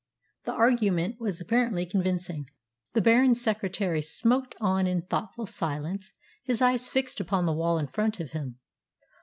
The argument was apparently convincing. The Baron's secretary smoked on in thoughtful silence, his eyes fixed upon the wall in front of him.